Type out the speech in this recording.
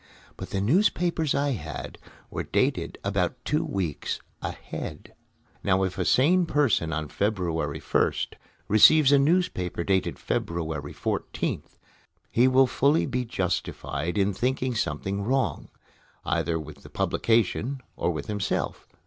But the newspapers I had were dated about two weeks ahead. Now if a sane person on February 1st receives a newspaper dated February 14th, be will be fully justified in thinking something wrong, either with the publication or with himself.